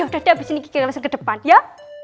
yaudah deh abis ini gigi langsung ke depan ya